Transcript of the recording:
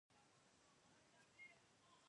دا سبزی د بدن د زخمونو ژر رغیدو کې مرسته کوي.